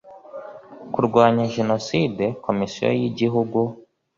kurwanya jenoside komisiyo y igihugu